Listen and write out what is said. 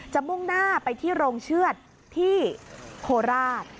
มุ่งหน้าไปที่โรงเชือดที่โคราช